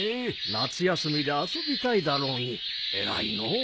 夏休みで遊びたいだろうに偉いのう。